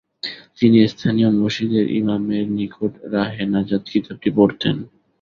তিনি স্থানীয় মসজিদের ইমামের নিকট ‘রাহে নাজাত’ কিতাবটি পড়তেন।